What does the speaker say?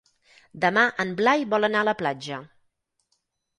Demà en Blai vol anar a la platja.